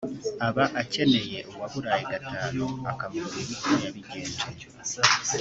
aba akeneye uwaburaye gatanu akamubwira uko yabigenje